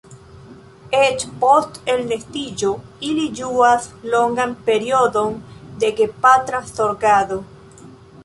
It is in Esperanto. Eĉ post elnestiĝo ili ĝuas longan periodon de gepatra zorgado.